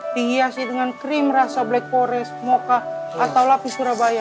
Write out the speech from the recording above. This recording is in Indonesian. dihiasi dengan krim rasa black forest moka atau lapis surabaya